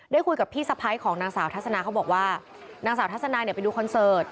คุยกับพี่สะพ้ายของนางสาวทัศนาเขาบอกว่านางสาวทัศนาเนี่ยไปดูคอนเสิร์ต